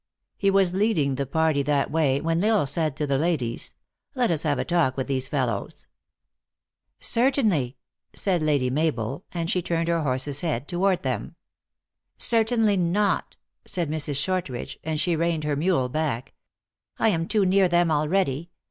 He was leading the party that way, when L Isle said to the ladies, " let us have a talk with these fellows." " Certainly," said Lady Mabel, and she turned her horse s head toward them. " Certainly not," said Mrs. Shortridge, and she reined her mule back, " I am too near them already.